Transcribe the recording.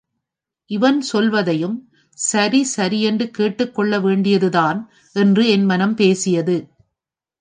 இவன் சொல்வதையும் சசரி சரியென்று கேட்டுக் கொள்ள் வேண்டியதுதான் என்று என் மனம் பேசியது.